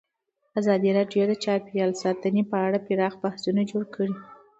ازادي راډیو د چاپیریال ساتنه په اړه پراخ بحثونه جوړ کړي.